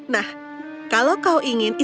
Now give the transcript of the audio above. nah kalau kau ingin